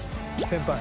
先輩。